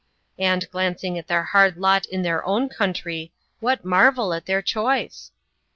And, glancing at their hard lot in their own country, what marvel at their choice